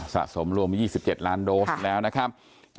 สะสมรวม๒๗ล้านโดสแล้วนะครับ